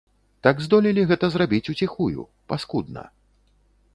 Так здолелі гэта зрабіць уціхую, паскудна.